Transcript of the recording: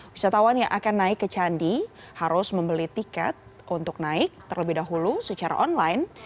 wisatawan yang akan naik ke candi harus membeli tiket untuk naik terlebih dahulu secara online